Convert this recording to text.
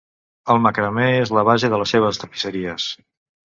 El macramé és la base de les seves tapisseries.